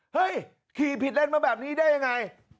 เฮ้ยขี่ผิดเล่นมาแบบนี้ได้ยังไง